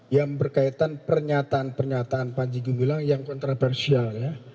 yang berkaitan pernyataan pernyataan manjigo ngilang yang kontraversial ya